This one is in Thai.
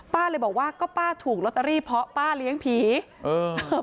เลยบอกว่าก็ป้าถูกลอตเตอรี่เพราะป้าเลี้ยงผีเออ